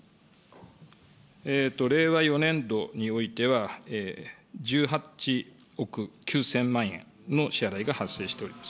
令和４年度においては、１８億９０００万円の支払いが発生しております。